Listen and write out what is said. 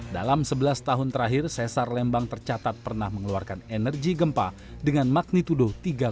dalam sebelas tahun terakhir sesar lembang tercatat pernah mengeluarkan energi gempa dengan magnitudo tiga empat